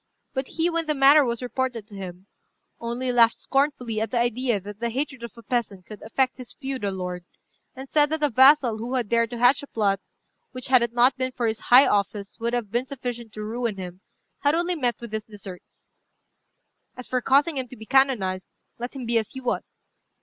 But he, when the matter was reported to him, only laughed scornfully at the idea that the hatred of a peasant could affect his feudal lord; and said that a vassal who had dared to hatch a plot which, had it not been for his high office, would have been sufficient to ruin him, had only met with his deserts. As for causing him to be canonized, let him be as he was.